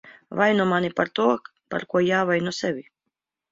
Vaino mani par to, par ko jāvaino sevi.